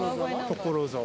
・所沢？